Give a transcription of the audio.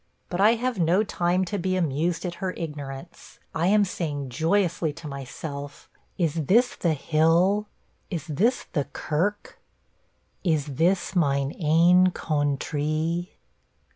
But I have no time to be amused at her ignorance – I am saying joyously to myself "Is this the hill, is this the kirk, Is this mine ain countree?"